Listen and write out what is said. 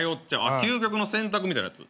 究極の選択みたいなやつ？